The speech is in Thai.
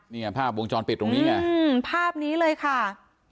เนี่ยภาพวงจรปิดตรงนี้ไงภาพนี้เลยค่ะ